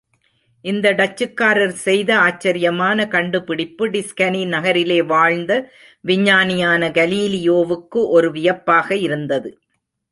இந்த டச்சுக்காரர் செய்த ஆச்சரியமான கண்டுபிடிப்பு டிஸ்கனி நகரிலே வாழ்ந்த விஞ்ஞானியான கலீலியோவுக்கு ஒரு வியப்பாக இருந்தது.